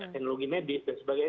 teknologi medis dan sebagainya